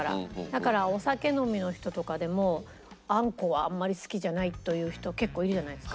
だからお酒飲みの人とかでもあんこはあんまり好きじゃないという人結構いるじゃないですか。